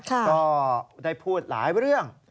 ก็ได้พูดหลายเรื่อง